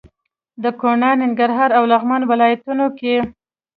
د کونړ، ننګرهار او لغمان ولايتونو کې